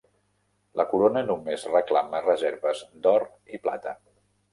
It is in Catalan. La corona només reclama reserves d'or i plata.